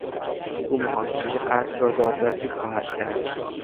او محاکمهی قتل را دادرسی خواهد کرد.